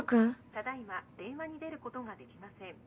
ただいま電話に出ることができません。